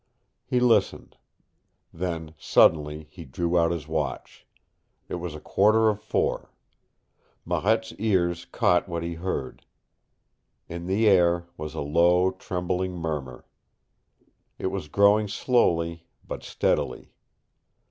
He listened. Then, suddenly, he drew out his watch. It was a quarter of four. Marette's ears caught what he heard. In the air was a low, trembling murmur. It was growing slowly but steadily.